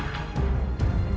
pertanyaannya seperti apa surya